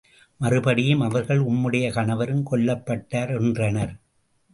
மறுபடியும் அவர்கள், உம்முடைய கணவரும் கொல்லப்பட்டார் என்றனர்.